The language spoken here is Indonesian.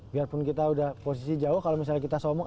biarpun kita udah posisi jauh kalau misalnya kita somong